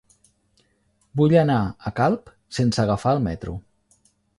Vull anar a Calp sense agafar el metro.